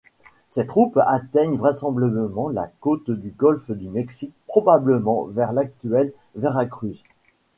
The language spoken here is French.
Ses troupes atteignent vraisemblablement la côte du golfe du Mexique probablement vers l'actuelle Veracruz.